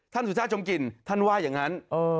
ท่านสุศาสตร์ชมกินท่านว่าอย่างนั้น